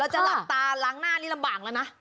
จะหลับตาล้างหน้านี่ลำบากแล้วนะ